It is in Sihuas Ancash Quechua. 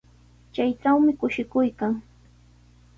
Chaytrawmi kushikuy kan.